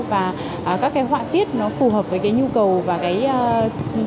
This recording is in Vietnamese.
và các cái họa tiết nó cũng có một cái nét đặc trưng riêng